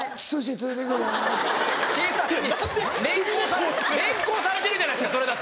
連行されてるじゃないですかそれだと。